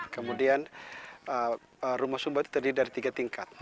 kemudian rumah sumba itu terdiri dari tiga tingkat